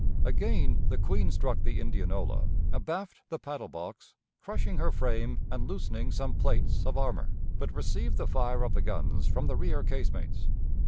Again the Queen struck the Indianola, abaft the paddle box, crushing her frame and loosening some plates of armor, but received the fire of the guns from the rear casemates.